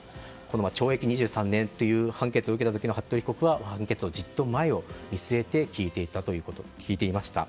懲役２３年という判決を受けた時の服部被告は判決をじっと前を見据えて聞いていました。